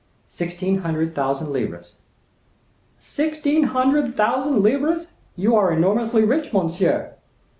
"Sixteen hundred thousand livres." "Sixteen hundred thousand livres! you are enormously rich, monsieur."